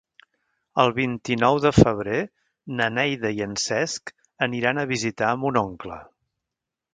El vint-i-nou de febrer na Neida i en Cesc aniran a visitar mon oncle.